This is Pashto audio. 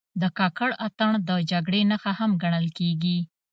د کاکړ اتن د جګړې نښه هم ګڼل کېږي.